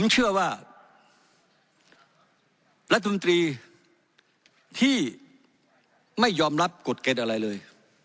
เชื่อว่ารัฐมนตรีที่ไม่ยอมรับกฎเกณฑ์อะไรเลย